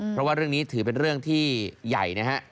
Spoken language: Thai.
เพราะว่าเรื่องนี้ถือเป็นเรื่องที่ใหญ่นะฮะ